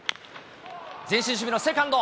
前進守備のセカンド。